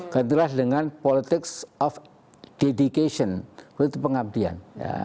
gantilah dengan politics of dedication itu pengabdian